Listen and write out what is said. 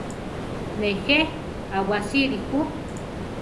Nejé awasíli ju.